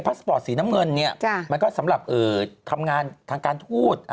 สปอร์ตสีน้ำเงินเนี่ยมันก็สำหรับทำงานทางการทูต